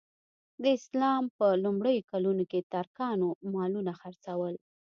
د اسلام په لومړیو کلونو کې ترکانو مالونه څرول.